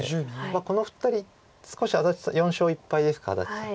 このお二人少し４勝１敗ですか安達さん。